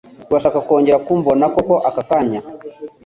Urashaka kongera kumbona kuko akakanya?